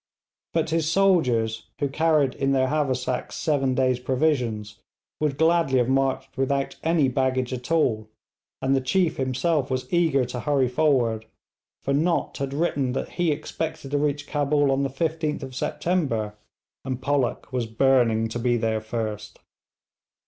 But his soldiers, who carried in their haversacks seven days' provisions, would gladly have marched without any baggage at all, and the chief himself was eager to hurry forward, for Nott had written that he expected to reach Cabul on 15th September, and Pollock was burning to be there first.